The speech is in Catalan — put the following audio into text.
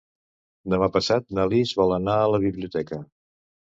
Demà passat na Lis vol anar a la biblioteca.